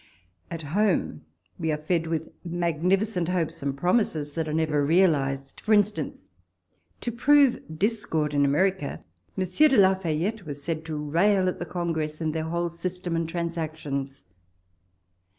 At home, we are fed with magnifi cent hopes and promises that are never realised. For instance, to prove discord in America, Monsieur de la Fayette was said to rail at the Congress, and their whole system and trans actions.